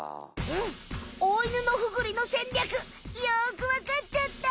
うんオオイヌノフグリの戦略よくわかっちゃった！